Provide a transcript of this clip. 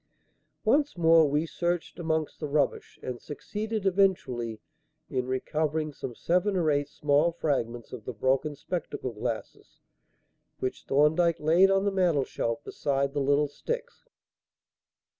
Once more we searched amongst the rubbish and succeeded, eventually, in recovering some seven or eight small fragments of the broken spectacle glasses, which Thorndyke laid on the mantelshelf beside the little sticks.